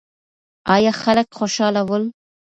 ایا خلک خوشاله ول؟